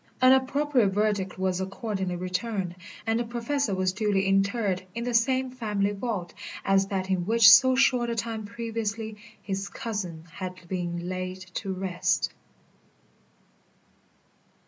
An appropriate verdict was accordingly returned, and the Professor was duly interred in the same family vault as that in which so short a time previously his cousin had been laid to rest.